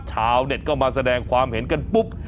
ชาวเน็ตก็มาแสดงความเห็นกันปุ๊บ